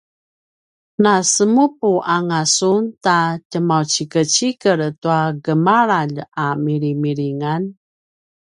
nasemupu anga sun ta tjemaucikecikel tua gemalalj a milimilingan?